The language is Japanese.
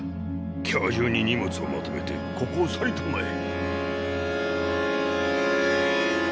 今日中に荷物をまとめてここを去りたまえ。